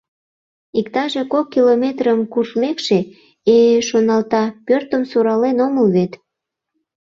Иктаже кок километрым куржмекше, «Э-э — шоналта, — пӧртым сурален омыл вет!»